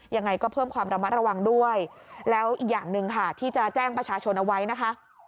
ยังไงก็เพิ่มความระมัดระวังด้วยแล้วอีกอย่างหนึ่งค่ะที่จะแจ้งประชาชนเอาไว้นะคะ